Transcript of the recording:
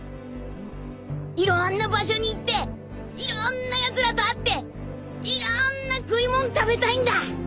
いろんな場所に行っていろんなやつらと会っていろんな食い物食べたいんだ！